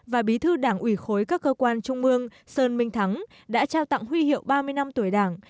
và bí thư đảng ủy khối các cơ quan trung mương sơn minh thắng đã trao tặng huy hiệu ba mươi năm tuổi đảng